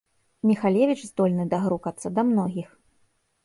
Міхалевіч здольны дагрукацца да многіх.